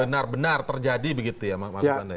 benar benar terjadi begitu ya maksud anda ya